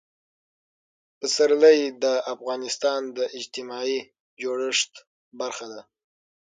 پسرلی د افغانستان د اجتماعي جوړښت برخه ده.